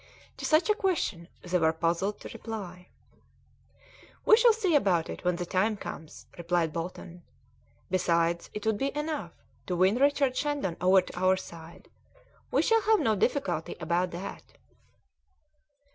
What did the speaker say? To such a question they were puzzled to reply. "We shall see about it when the time comes," replied Bolton; "besides, it would be enough to win Richard Shandon over to our side. We shall have no difficulty about that."